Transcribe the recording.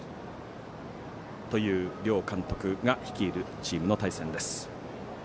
という両監督が率いるチームの対戦です。